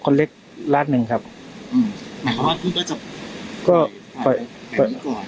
คนเล็กล้านหนึ่งครับอืมหมายความว่าทุกคนก็จะก็แบบนี้ก่อน